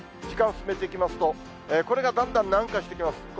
時間進めていきますと、これがだんだん南下してきます。